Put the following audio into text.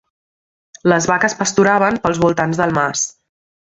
Les vaques pasturaven pels voltants del mas.